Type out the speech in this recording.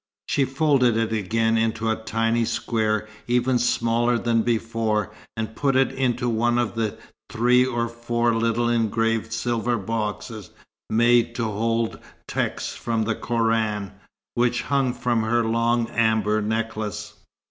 She folded it again into a tiny square even smaller than before, and put it into one of the three or four little engraved silver boxes, made to hold texts from the Koran, which hung from her long amber necklace.